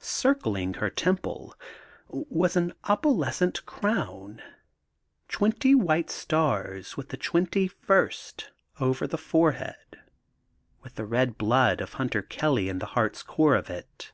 Circling her temple was an opalescent crown, twenty white stars, with the twenty first over the forehead, with the red blood of Hunter Kelly in the heart's core of it.